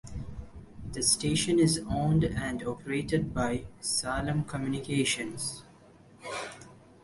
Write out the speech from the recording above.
The station is owned and operated by Salem Communications.